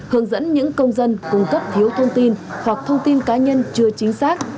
hướng dẫn những công dân cung cấp thiếu thông tin hoặc thông tin cá nhân chưa chính xác